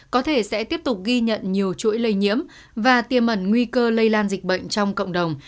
có thể sẽ tiếp tục ghi nhận nhiều chuỗi lây nhiễm và tiềm ẩn nguy cơ lây lan dịch bệnh trong cộng đồng